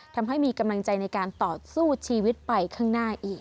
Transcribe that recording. ทำให้มีกำลังใจในการต่อสู้ชีวิตไปข้างหน้าอีก